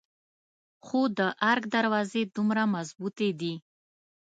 خو د ارګ دروازې دومره مظبوتې دي.